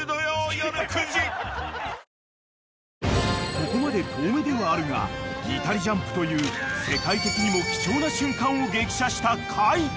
［ここまで遠目ではあるがニタリジャンプという世界的にも貴重な瞬間を激写した海人］